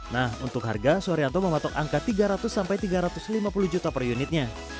nah untuk harga suharyanto mematok angka tiga ratus sampai tiga ratus lima puluh juta per unitnya